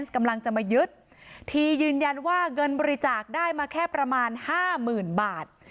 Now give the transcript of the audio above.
กำลังจะมายึดทียืนยันว่าเงินบริจาคได้มาแค่ประมาณห้าหมื่นบาท